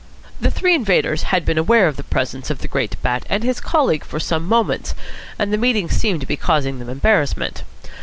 The three invaders had been aware of the presence of the great Bat and his colleague for some moments, and the meeting seemed to be causing them embarrassment.